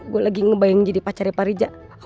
gua lagi ngebayangin jadi pacarnya pak rizal